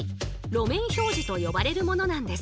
「路面標示」と呼ばれるものなんです。